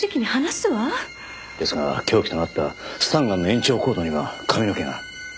ですが凶器となったスタンガンの延長コードには髪の毛が。